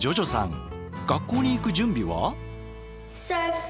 学校に行く準備は？